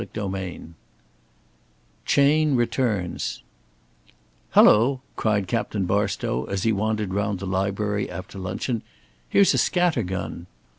CHAPTER XIII CHAYNE RETURNS "Hullo," cried Captain Barstow, as he wandered round the library after luncheon. "Here's a scatter gun."